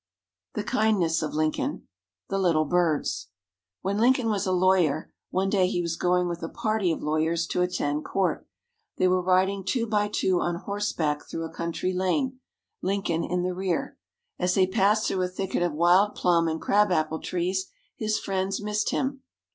THE KINDNESS OF LINCOLN The Little Birds When Lincoln was a lawyer, one day he was going with a party of lawyers to attend court. They were riding, two by two, on horseback through a country lane, Lincoln in the rear. As they passed through a thicket of wild plum and crab apple trees, his friends missed him.